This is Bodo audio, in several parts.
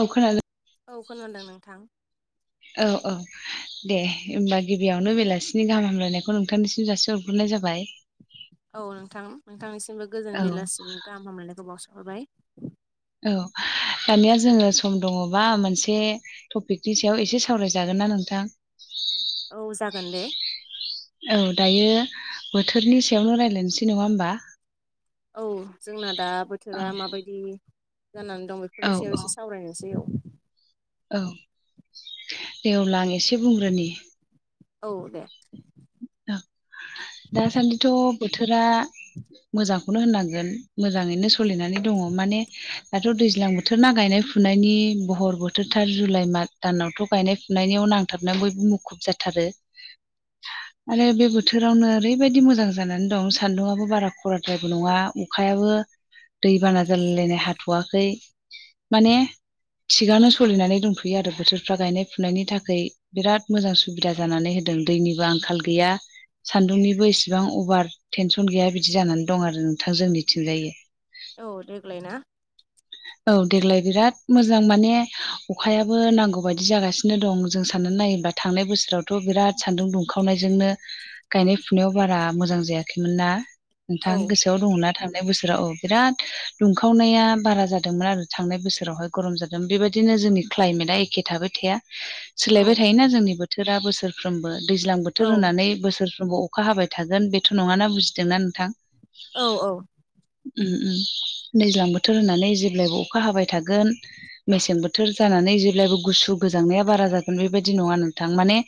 औ खोनादों औ खोनादों नोंथां औ औ दे होमबा गिबियावनो बेलासिनि गाहाम हामलायनायखौ नोंथांनिसिम जासि हरग्रोनाय जाबाय औ नोंथां नोंथांनिसिमबो गोजोन औ बेलासिनि गाहाम हामलायनायखौ बावसोमहरबाय औ दानिया जोङो सम दङबा मोनसे टपिकनि सायाव एसे सावरायजागोन ना नोंथां औ जागोन दे औ दायो बोथोरनि सायावनो रायज्लायनोसै नङा होमबा औ जोंना दा औ बोथोरा माबायदि जानानै दं औ बेफोरनि सायाव औ एसे सावरायनोसै औ औ दे अब्ला आं एसे बुंग्रोनि औ दे दासान्दिथ' बोथोरा मोजांखौनो होननांगोन मोजाङैनो सोलिनानै दङ माने दाथ' दैज्लां बोथोराव बोथोर ना गायनाय फुनायनि बहर बोथोरथार जुलाइ माद दानावथ' गायनाय फुनायनियाव नां बथाबनानै बयबो मुखुब जाथारो [inaudible] आरो बे बोथोरावनो ओरैबायदि मोजां जानानै दं सान्दुंआबो बारा खराद्राइबो नङा अखायाबो दैबाना जालायलायनाय हाथ'वाखै माने थिगानो सोलिनानै दंथ'यो आरो बोथोरफ्रा गायनाय फुनायनि थाखै बिराद मोजां सुबिदा जानानै होदों दैनिबो आंखाल गैया सान्दुंनिबो इसेबां अभार टेनसन गैया बिदि जानानै दं आरो नोंथां जोंनिथिंजायो औ देग्लाय ना औ देग्लाय बिराद मोजां माने अखायाबो नांगौ बायदि जागासिनो दं जों साननानै नायोबा थांनाय बोसोरावथ' बिराद सान्दुं दुंखावनायजोंनो गायनाय फुनायाव बारा मोजां जायाखैमोन ना। औ नोंथां गोसोआव दङना थांनाय बोसोराव औ बिराद दुंखावनाया बारा जादोंमोन आरो थांनाय बोसोरावहाय गरम जादोंमोन बेबायदिनो जोंनि क्लाइमेटआ एखे थाबाय थाया। औ सोलायबाय थायोना जोंनि बोथोरा बोसोरफ्रोमबो दैज्लां बोथोर औ होनानै बोसोरफ्रोमबो अ अखा हाबाय थागोन बेथ' नङाना बुजिदोंना नोंथां औ औ उम उम दैज्लां बोथोर होननानै जेब्लायबो अखा हाबाय थागोन मेसें बोथोर जानानै जेब्लायबो गुसु गोजांनाया बारा जागोन बेबायदि नङा नोंथां। माने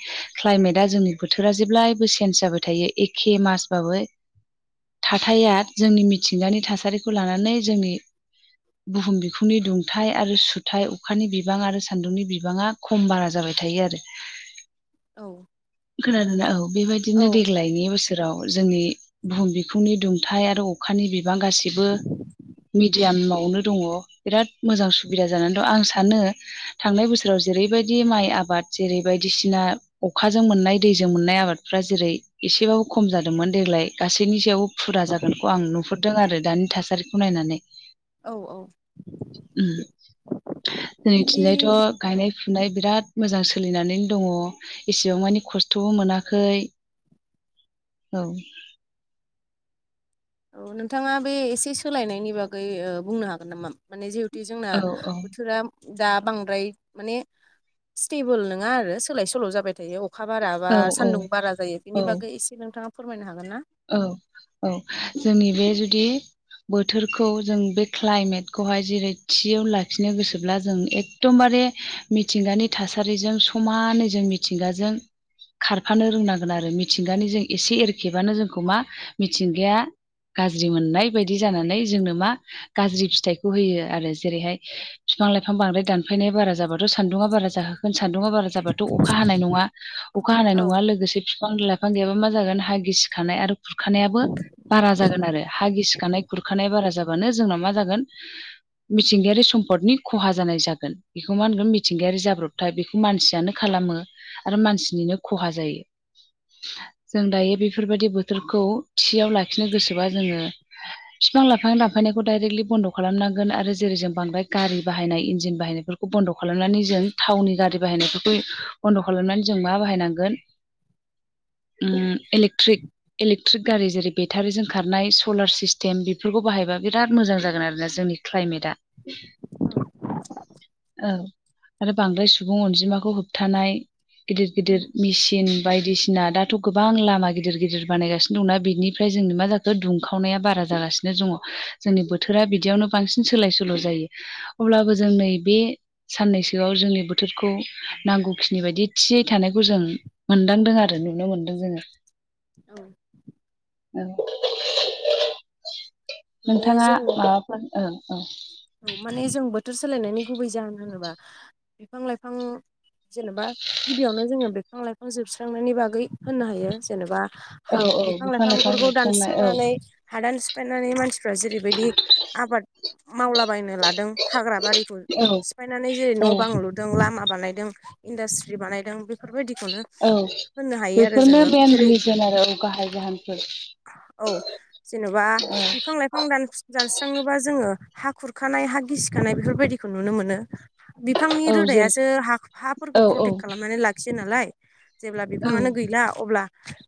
क्लाायमेटआ जोंनि बोथोरा जेब्लायबो चेन्ज जाबाय थायो एखे मासबाबो थाथाया जोंनि मिथिंगानि थासारिखौ लानानै जोंनि बुहुम बिखुंनि दुंथाइ आरो सुथाइ अखानि बिबां आरो सान्दुंनि बिबाङा खम बारा जाबाय थायो आरो औ खोनादोंना औ औ बेबायदिनो देग्लायनि बोसोराव जोंनि बुहुम बिखुंनि दुंथाइ आरो अखानि बिबां गासिबो मिडियाम आवनो दङ बिराद मोजां सुबिदा जानानै दं आं सानो थांनाय बोसोराव जेरैबायदि माइ आबाद जेरै बायदिसिना अखाजों मोननाय दैजों मोननाय आबादफ्रा जेरै एसेबाबो खम जादोंमोन देग्लाय गासैनि सायाव फुरा जागोनखौ आं नुहरदों आरो दानि थासारिखौ नायनानै औ औ उम बिदि जोंथिंजायथ' गायनाय फुनाय बिराद मोजां सोलिनानै दङ। एसेबां मानिे खस्थ'बो मोनाखै औ औ नोंथाङा बे एसे सोलायनायनि बागै ओ बुंनो हागोन नामा माने जिहेथ थि जोंना औ औ बोथोरा दा बांद्राय माने स्टेबोल नङा आरो सोलाय सोल' जाबाय थायो। अ अखा बारा बा औ सान्दुं औ बारा जायो बेनि औ बागै एसे नोंथाङा फोरमायनो हागोन ना? औ औ जोंनि बे जुदि बोथोरखौ जों बे क्लाइमेटखौहाय जेरै थियाव लाखिनो गोसोब्ला जों एक दमबारे मिथिंगानि थासारिजों समानै जों मिथिंगाजों खारफानो रोंनांगोन आरो मिथिंगानि जों एसे एरखेबानो जोंखौ मा मिथिंगाया गाज्रि मोननाय बायदि जानानै जोंनो मा गाज्रि फिथाइखौ होयो आरो जेरैहाय बिफां लाइफां बांद्राय दानफायनाया बारा जाबाथ' सान्दुङा बारा जाहोख गोन सानदुङा बारा जाबाथ' अखा हानाय नङा अखा हानाय औ नङा लोगोसे बिफां लाइफां गैयाबा मा जागोन हा गिसि खानाय आरो खुरखानायाबो बारा जागोन आरो हा गिसिखानाय गुरखानाय बारा जाबानो जोंनााव मा जागोन मिथिंगायारि सम्पदनि खहा जानाय जागोन बेखौ मा होनगोन मिथिंगायारि जाब्रब थाय बेखौ मानसियानो खालामो आरो मानसिनिनो खहा जायो। जों दायो बेफोरबायदि बोथोरखौ थियाव लाखिनो गोसोबा जोङो बिफां लाइफां दानफायनायखौ डाइरेक्टलि बन्द' खालामनांगोन आरो जेरै जों बांद्राय गारि बाहायनाय इन्जिन बाहायनायफोरखौ बन्द' खालामनानै जों थावनि गारि बाहायनायफोरखौ बन्द' खालामनानै जों मा बाहायनांगोन उम इलेक्ट्रिक इलेकट्रिक गारि जेरै बेटारिजों खारनाय सलार सिस्टेम बेफोरखौ बाहायबा बिराद मोजां जागोन आरोना जोंनि क्लाायमेटआ औ आरो बांद्राय सुबुं अनजिमाखौ होबथानाय गिदिर गिदिर मेसिन बायदिसिना दाथ' गोबां लामा गिदि दिर गिदिर बानायगासिनो दंना बेनिफ्राय जोंनि मा जाखो दुंखावनाया बारा जागासिनो दङ। जोंनि बोथोरा बिदियावनो बांसिन सोलाय सोल' जायो अब्लाबो जोंनि नैबे साननैसोआव जोंनि बोथोरखौ नांगौखिनि बायदि थियै थानायखौ जों मोनदांदों आरो नुनो मोनदों जोङो। औ औ माने नोंथाङा जों माबाफोर औ औ औ माने जों बोथोर सोलायनायनि गुबै जाहोन होनोबा बिफां लाइफां जेनोबा गिबियावनो जोङो बिफां लाइफां जोबस्रांनायनि बागै होननो हायो जेनेबा औ हा औ बिफां लाइफां लाइफांफोरखौ जोबस्रांनाय औ दानस्रांनानै हादान सिफायनानै मानसिफ्रा जेरैबायदि आबाद [unintelligible] बायनो लादों हाग्रा बारिखौ औ सिफायनानै जेरै औ न' बां नुदों लामा बानायदों इन्दिसत्रि बानायदों बिफ फोर बायदिखौनो औ होननो हायो आरो बेफोरनो जोङो मेन जेरै रिजोन आरो औ गाहाय जाहोनफोर औ जेन'बा औ बिफां लाइफां दानस दानस्राङोबा जोङो हा खुरखानाय हा गिसिखानाय बेफोरबायदिखौ नुनो मोनो। बिफांनि औ जेरै रोदायासो हा हाफोरखौ औ औ प्रटेक्ट खालामनानै लाखियो नालाय। जेब्ला बिफाङानो गैला अब्ला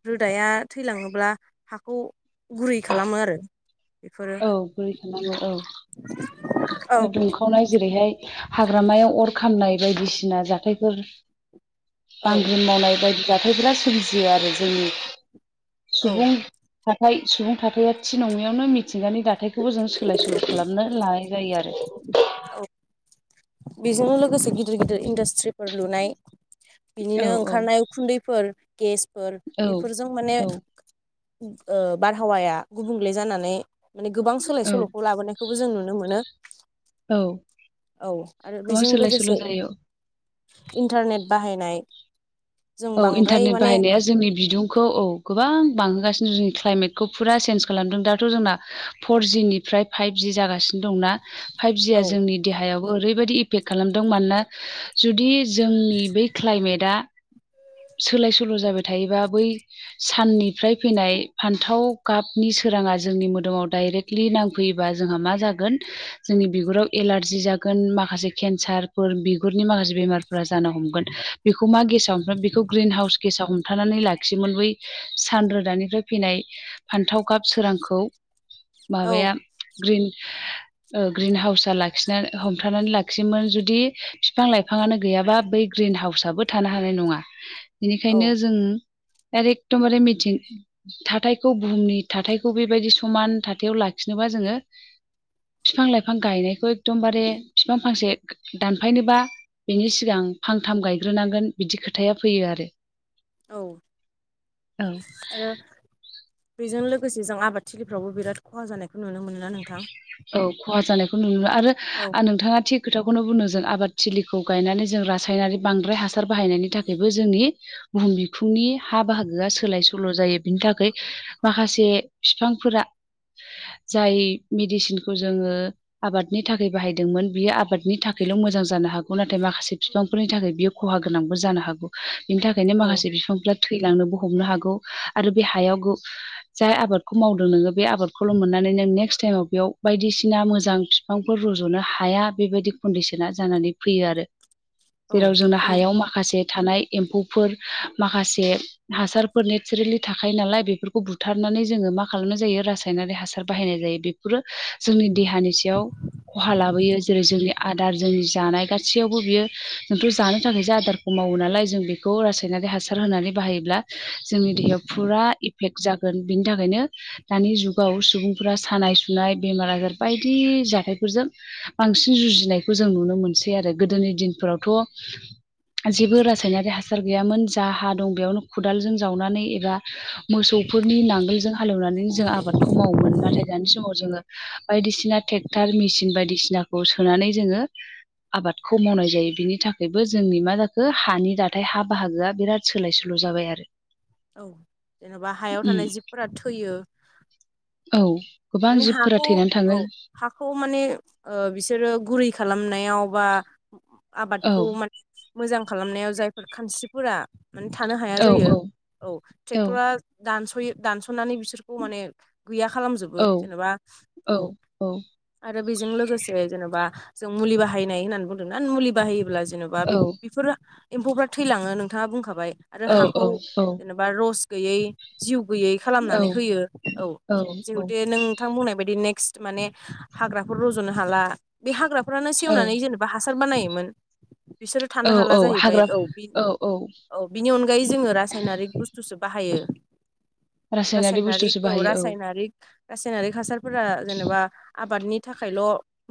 रोदाया थैलाङोब्ला हाखौ गुरै खालामो आरो बेफोरो औ गुरै खालामो औ औ ओ दुंखावनाय जेरैहाय हाग्रामायाव अर खामनाय बायदिसिना जाथायफोर औ बांग्रि मावनाय बायदि दथाय बिाद सोमजियो आरो जोंनि औ सुबुं थाथाय सुबुं थाथाया थि नङियावनो मिथ थिंगानि दाथथायखौबो जों सोलाय सोल' खालामनो लानाय जायो आरो औ बेजों लोगोसे गिदिर गिदिर इन्दास्ट्रिफोर लुनाय औ बिनिनो औ ओंखारनाय खुन्दैफोर गेसफोर औ बेफोरजों माने औ ओब ओ बारहावाया गुबुंले जानानै माने गोबां सोलाय औ सोल'खौ लाबोनायख खौबो जों नुनो मोनो। औ औ आरो गोबां बेजों सोलाय लोगोसे सोल' जायो इन्टारनेट बाहायनाय जों औ बांद्राय इन्टारनेट माने बाहायनाया जोंनि बिदुंखौ औ गोबां बांहोगासिनो जोंनि क्लाइमेटखौ फुरा चेन्ज खालामदों दाथ' जोंना फर जिनिफ्राय फाइभज जागासि दंना फाइभजिआ औ जोंनि देहायावबो ओरैबायदि इफेक्ट खालामदों मानोना जुदि जोंनि बै क्लाइमेटआ सोलाय सोल' जाबाय थायोबा बै साननिफ्राय फैनाय फान्थाव गाबनि सोराङा जोंनि मोदोमाव दाइरेक्ट ख्लि नांफैयोबा जोंहा मा जागोन? जोंनि बिगुराव एलारजि जागोन माखासे केन्सारफोर बिगुरनि माखासे बेमारफोरा जानो हमगोन। बेखौ मा गेसाव फ्राय बेखौ ग्रिन हाउस गेसाव हमथानानै लाखियोमोन बै सान रोदानिफ्राय फैनाय फान्थाव गाब सोरांखौ औ माबाया ग्रिन ओ ग्रिन हाउसा लाख [unintelligible] हमथानानै लाखियोमोन जुदि बिफां लाइफाङानो गैयाबा बै ग्रिन हाउसाबो थानो हानाय नङा। बेनिखायनो औ जों आरो एखदमबारे मिथिं थाथायखौ बुहुमनि थाथायखौ बेबायदि समान थाथायाव लाखिनोबा जोङो बिफां लाइफां गायनायखौ एकदमबारे बिफां फांसे दानफायनोबा बेनि सिगां फांथाम गायग्रोनांगोन बिदि खोथाया फैयो आरो औ आरो बेजों लोगोसे जों आबादथिलिफ्रावबो बिराद खहा जानायखौ नुनो मोनोना नोंथां? औ खहा जानायखौ नुनो आरो औ आ नोंथाङा थिग खोथाखौनो बुंनो जों आबाद थिलिखौ गायनानै जों रासायनारि बांद्राय हासार बाहायनायनि थाखायबो जोंनि बुहुम बिखुंनि हा बाहागोआ सोलाय सोल' जायो बिनि थाखै माखासे फिफांफोरा जाय मेडिसिनखौ जोङो आबादनि थाखाय बाहायदोंमोन बियो आबादनि थाखायल' मोजां जानो हागौ नाथाय माखासे बिफांफोरनि थाखाय बियो खहा गोनांबो जानो हागौ बिनि थाखायनो औ माखासे बिफांफ्रा थैलांनोबो हमनो हागौ आरो बे हायाव गो जाय आबादखौ मावदों नोङो बे आबादखौल' मोननानै नों नेक्स्ट टाइमाव बेयाव बायदिसिना मोजां बिफांफोर रज'नो हाया बेबायदि कन्डिसना जानानै फैयो आरो। औ जेराव जोंना जेन हायाव माखासे थानाय एम्फौफोर माखासे हासारफोर नेचारेलि थाखायो नालाय बेफोरखौ बुथारनानै जोङो मा खालामनाय जायो रासायनारि हासार बाहायनाय जायो बे फोरो जोंनि देहानि सायाव खहा लाबोयो जेरै जोंनि आदार जोंनि जानाय गासैयावबो बियो जोंथ' जानो थाखायसो आदार मावो नालाय जों बेखौ रासायनारि हासार होनानै बाहायोब्ला जोंनि देहायाव फुरा इफेक्ट जागोन बिनि थाखायनो दानि जुगाव सुबुंफोरा सानाय सु नाय बेमार आजार बायदि जाथायफोरजों बांसिन जुजिनायखौ जों नुनो मोनसै आरो गोदोनि दिनफोरावथ' जेबो रासायनारि हासार गैयामोन जा हा दं बेयावनो खदालजों जावनानै एबा मोसौफोरनि नांगोलजों हालेवनानै जों आबादखौ मावोमोन नाथाय दानि समाव जोङो बायदिसिना टेक्टार मेसिन बायदिसिनाखौ सोनानै जोङो आबादखौ मावनाय जायो बिनि थाखायबो जोंनि मा जाखो हानि दाथाय हा बाहागोआ बिराद सोलाय सोल' जाबाय आरो। औ जेन'बा हायाव उम थानाय जिबफोरा थैयो। औ गोबां माने जिबफोरा हाखौ थैनानै औ थाङो। हाखौ माने बिसोरो ओ गुरै खालामनायाव बा औ आबादखौ माने मोजां खालामनायाव जायफोर खानस्रिफोरा माने थानो हाया औ जायो औ औ औ ट्रेक्टरा दानस'यो दानस'नानै बिसोरखौ माने गैया खालाम औ जेनेबा औ। आरो बेजों लोगोसे जेन'बा जों मुलि बाहायनाय होननानै बुंदों ना मुलि बाहायोब्ला जेन' बा औ बेफोरो एम्फौफोरा थैलाङो नोंथाङा बुंखाबाय आरो औ हाखौ औ जेनेब बा रस गैयै जिउ गैयै खालामनानै होयो औ जिउ नोंथां बुंनाय बायदि नेकस्ट माने हाग्राफोर रज'नो हाला बे हाग्राफ्रानो सेवनानै जेनेब बा हासार बानायोमोन बिसोरो थानो औ हाला औ जाहैबाय हाग्रा औ बि औ। बिनि अनगायै जोङो रासायनारिक बुस्थुसो बाहायो। रासायनारि बुस्थुसो रासायनारिक औ बाहायो रासायनारिक रासायनारिक हासारफोरा जेनेबा आबादनि थाखायल'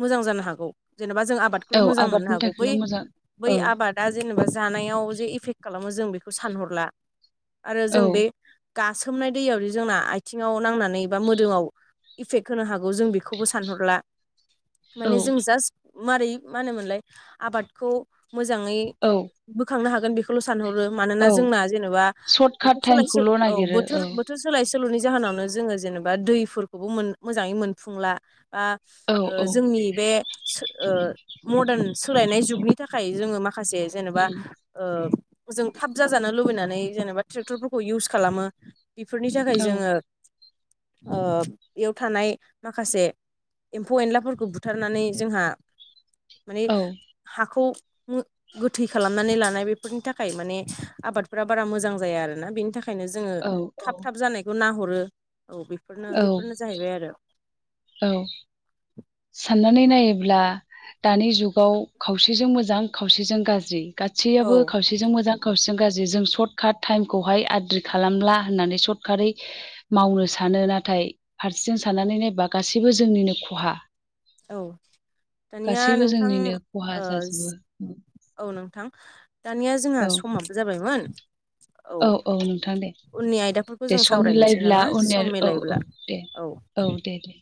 मोजां जानो हागौ जेनेबा जों आबाद खौल' औ मोजां मोननो आबादनि हागौ बै थाखायल' मोजां बै औ आबाद दा जेनेबा जानायाव जे इफेक्ट खालामो जों बेखौ सानहरला आरो औ जों बे गासोमनाय दैयावदि जोंना आथिङाव नांनानै बा मोदोमाव इफेक्ट होनो हागौ जों बेखौबो सानहरला औ माने जों जास्ट मारै मा होनोमोनलाय आबादखौ मोजाङै औ बोखांनो हागोन बेख खौल' सानहरो मानोना औ जोंना जेनेबा सर्ट काट बोथोर सोलाय सो टाइमखौल' औ नागिरो बोथोर बोथोर सो सोलाय सोल'नि जाहोनावनो जोङो जेनेबा दैफोरखौबो मोन मोजाङै मोनफुंला। बा औ ओ औ जोंनि बे सो ओ मदार्न सोलायनाय जुगनि थाखाय जोङो माखासे जेनेबा उम ओ जों थाब जाजानो लुबैनानै जेनेबा ट्रेक्टरफोरखौ इउस खालामो। बेफोरनि थाखाय औ जोङो ओ एयाव थानाय माखासे एम्फौ एनलाफोरखौ बुथारनानै जोंहा माने औ हाखौ गोथै खालामनानै लानाय बेफोरनि थाखाय माने आबादफोरा बारा मोजां जाया आरोना बेनि थाखा खायनो जोङो औ औ थाब थाब जानायखौ नाहरो औ बेफोरनो औ बेफोरनो जाहैबाय आरो। औ। साननानै नायोब्ला दानि जुगाव खावसेजों मोजां खावसेजों गाज्रि। औ गादसैयाबो खावसे खावसेजों मोजां खावसेजों गाज्रि जों सर्ट काट टाइमखौहाय आद्रि खालामला होननानै सर्ट काटयै मावनो सानो नाथाय फारसेथिं साननानै नायबा गासैबो जोंनिनो खहा। औ दानिया गासैबो नोंथां जोंनिनो खहा ओ जाजोबो औ नोंथां दानिया जोंहा औ समाबो जाबायमोन। औ उननि आयदाफोरखौ दे जों सम सावरायनोसै मिलायब्ला नामा सम उनाव औ मिलायब्ला औ दे औ। औ दे दे।